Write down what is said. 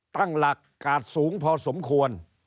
ตั้งหลักกาดสูงพอสมควร